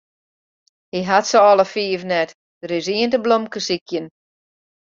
Hy hat se alle fiif net, der is ien te blomkesykjen.